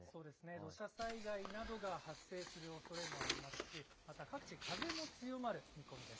土砂災害などが発生するおそれもありますし、また各地、風も強まる見込みです。